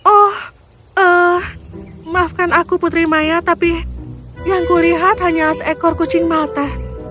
oh maafkan aku putri maya tapi yang kulihat hanyalah seekor kucing mata